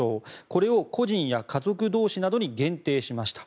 これを個人や家族同士などに限定しました。